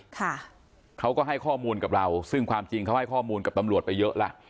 ค่ะเขาก็ให้ข้อมูลกับเราซึ่งความจริงเขาให้ข้อมูลกับตำรวจไปเยอะแล้ว